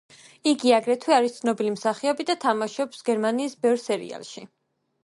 იგი აგრეთვე არის ცნობილი მსახიობი და თამაშობს გერმანიის ბევრ სერიალში.